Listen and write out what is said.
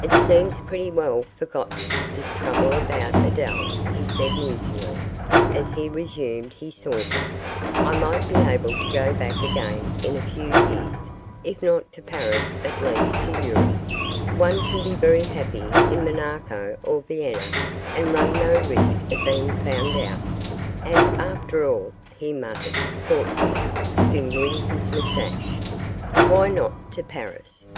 'It seems pretty well forgotten, this trouble about Adele,' he said, musingly, as he resumed his saunter; 'I might be able to go back again in a few years, if not to Paris at least to Europe one can be very happy in Monaco or Vienna, and run no risk of being found out; and, after all,' he muttered, thoughtfully, fingering his moustache, 'why not to Paris?